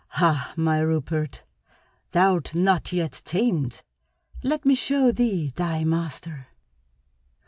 "Hah, my Rupert, thou'rt not yet tamed. Let me show thee thy master!"